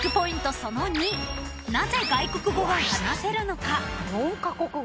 その２なぜ外国語が話せるのか］